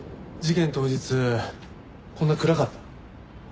事件当日こんな暗かった？